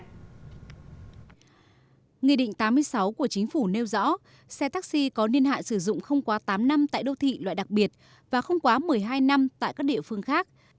nghị định tám mươi sáu của chính phủ nêu rõ xe taxi có niên hạn sử dụng không quá tám năm tại đô thị loại đặc biệt và không quá một mươi hai năm tại các địa phương khác